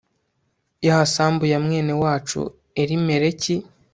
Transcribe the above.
ya sambu ya mwene wacu elimeleki